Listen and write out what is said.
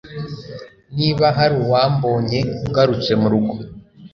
Niba hari uwambonye ngarutse murugo